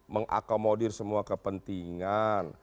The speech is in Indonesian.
mengakomodir semua kepentingan